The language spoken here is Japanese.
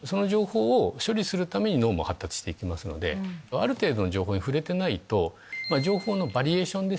ある程度の情報に触れてないと。